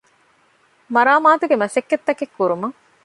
މަރާމާތުގެ މަސައްކަތްތަކެއް ކުރުމަށް